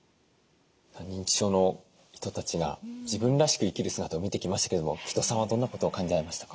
認知症の人たちが自分らしく生きる姿を見てきましたけれども城戸さんはどんなことを感じられましたか？